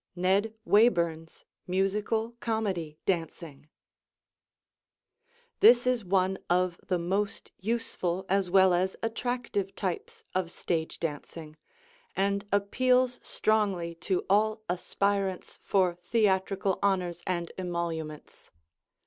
NED WAYBURN'S MUSICAL COMEDY DANCING This is one of the most useful as well as attractive types of stage dancing, and appeals strongly to all aspirants for theatrical honors and emoluments.